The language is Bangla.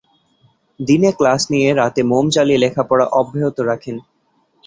দিনে ক্লাশ নিয়ে রাতে মোম জ্বালিয়ে লেখাপড়া অব্যাহত রাখেন।